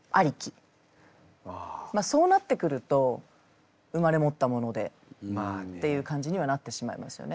まあそうなってくると生まれ持ったものでっていう感じにはなってしまいますよね。